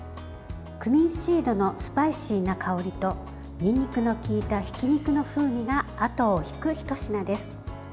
クミンシードのスパイシーな香りとにんにくのきいたひき肉の風味があとを引くひと品です。